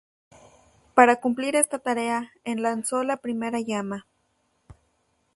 Para cumplir esta tarea, enlazó la Primera Llama.